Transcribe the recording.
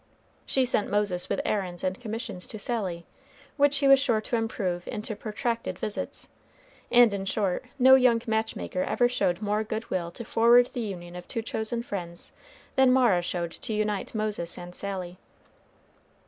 She sent Moses with errands and commissions to Sally, which he was sure to improve into protracted visits; and in short, no young match maker ever showed more good will to forward the union of two chosen friends than Mara showed to unite Moses and Sally.